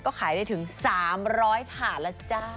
ก็ขายได้ถึง๓๐๐ถาดแล้วจ้า